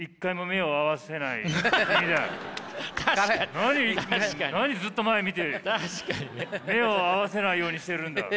何ずっと前見て目を合わせないようにしてるんだ。